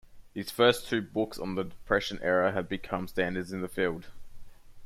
His first two books on the Depression era have become standards in the field.